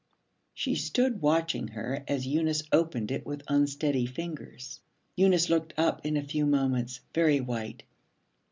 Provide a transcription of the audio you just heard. She stood watching her as Eunice opened it with unsteady fingers. Eunice looked up in a few moments, very white.